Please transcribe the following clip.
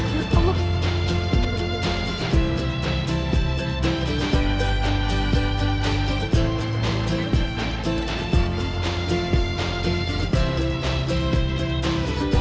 kita selfie ntar dulu